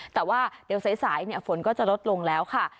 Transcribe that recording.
แต่ว่าเดี๋ยวสายฝนก็จะลดลงแล้วค่ะ